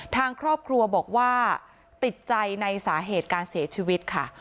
ทางครอบครัวบอกว่าติดใจในสาเหตุการเสียชีวิตค่ะ